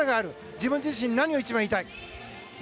自分自身、何を一番言いたい？